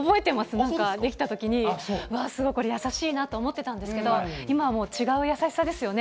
なんか出来たときに、うわー、すごい、これ優しいなと思ってたんですけど、今はもう、違う優しさですよね。